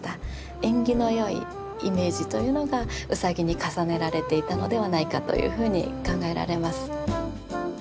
縁起の良いイメージというのがうさぎに重ねられていたのではないかというふうに考えられます。